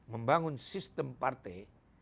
membangun sistem partai